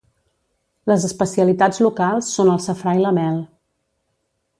Les especialitats locals són el safrà i la mel.